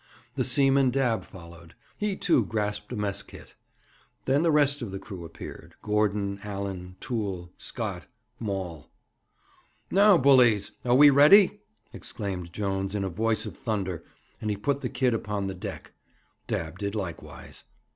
The seaman Dabb followed; he, too, grasped a mess kid. Then the rest of the crew appeared Gordon, Allan, Toole, Scott, Maul. 'Now, bullies, are we ready?' exclaimed Jones, in a voice of thunder; and he put the kid upon the deck. Dabb did likewise.